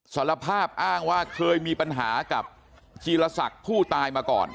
สละภาพอ้าวงว่าเคยมีปัญหากับชีวิตสักผู้ตายมาก่อน